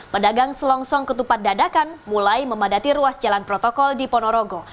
pedagang selongsong ketupat dadakan mulai memadati ruas jalan protokol di ponorogo